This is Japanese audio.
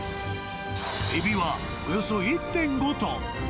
エビはおよそ１．５トン。